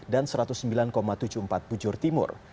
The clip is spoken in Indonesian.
dan satu ratus sembilan tujuh puluh empat bujur timur